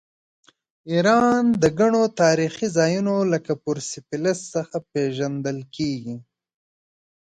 ایران د ګڼو تاریخي ځایونو لکه پرسپولیس څخه پیژندل کیږي.